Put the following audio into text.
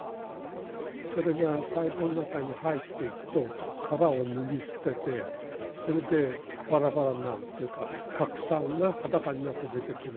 それが細胞の中に入っていくと殻を脱ぎ捨ててそれでバラバラになるっていうか核酸が裸になって出てくる。